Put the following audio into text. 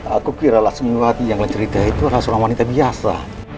aku kira laksmiwati yang mencerita itu adalah seorang wanita biasa